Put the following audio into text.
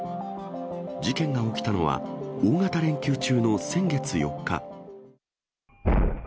事件が起きたのは、大型連休中の先月４日。